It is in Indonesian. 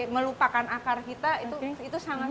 melupakan akar kita itu sangat